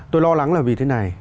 tôi lo lắng là vì thế này